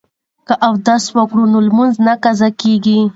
که اودس وکړو نو لمونځ نه قضا کیږي.